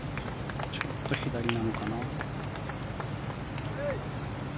ちょっと左なのかな。